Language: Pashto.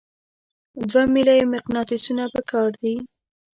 دوه میله یي مقناطیسونه پکار دي.